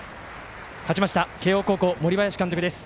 勝ちました慶応高校森林監督です。